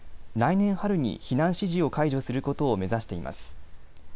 来年春に避難指示を解除することを目指しています。